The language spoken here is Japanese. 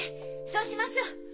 そうしましょう。